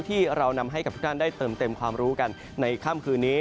ที่เรานำให้กับทุกท่านได้เติมเต็มความรู้กันในค่ำคืนนี้